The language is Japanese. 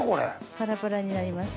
パラパラになります。